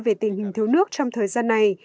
về tình hình thiếu nước trong thời gian này